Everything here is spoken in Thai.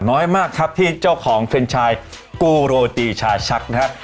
น้อยมากครับที่เจ้าของเฟรนชายโกโรตีชาชักนะครับ